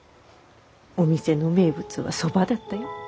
お店の名物はそばだったよ。